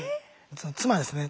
妻ですね